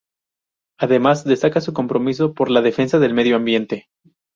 Además, destaca su compromiso por la defensa del medio ambiente.